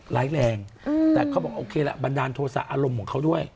ร้ายแรงแต่เขาบอกโอเคละบันดาลโทษะอารมณ์ของเขาด้วย